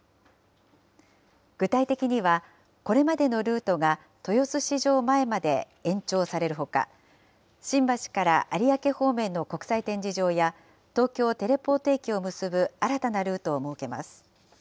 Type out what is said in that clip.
具体的には、これまでのルートが豊洲市場前まで延長されるほか、新橋から有明方面の国際展示場や、東京テレポート駅を結ぶ新たなルートを設けます。